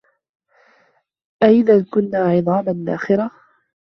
أَإِذا كُنّا عِظامًا نَخِرَةً